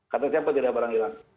kata siapa tidak barang hilang